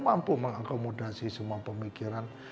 mampu mengakomodasi semua pemikiran